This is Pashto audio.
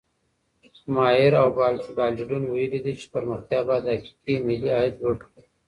مائر او بالډون ويلي دي چي پرمختيا بايد حقيقي ملي عايد لوړ کړي.